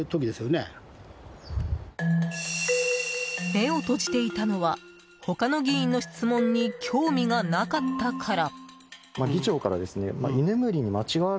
目を閉じていたのは他の議員の質問に興味がなかったから。